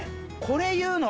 これ言うの？